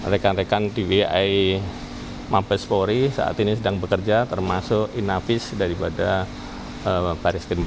rekan rekan dbi mampes polri saat ini sedang bekerja termasuk inapis daripada baris tim polri